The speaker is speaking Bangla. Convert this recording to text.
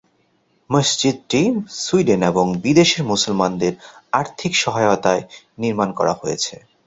মসজিদটি সুইডেন এবং বিদেশের মুসলমানদের আর্থিক সহায়তায় নির্মাণ করা হয়েছে।